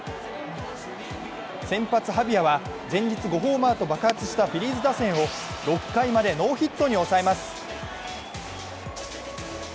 先発・ハビアは前日５ホーマーと爆発したフィリーズ打線を６回までノーヒットに抑えます。